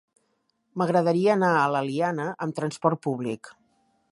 M'agradaria anar a l'Eliana amb transport públic.